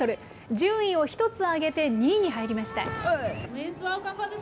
順位を１つ上げて、２位に入りました。